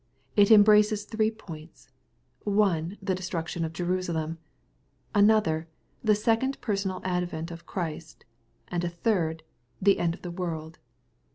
It em braces three points — one, the destruction of Jerusalem, — another, the second personal advent of Christ ;— and a third, the end of the world.